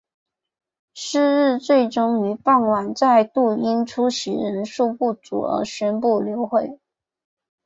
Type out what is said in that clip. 是日最终于傍晚再度因出席人数不足而宣布流会。